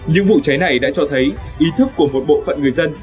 những vụ cháy này đã cho thấy ý thức của một bộ phận người dân